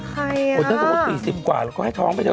ใครอ่ะอ๋อถ้าสมมติ๔๐กว่าแล้วก็ให้ท้องไปเถอะ